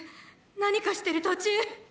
何かしてる途中！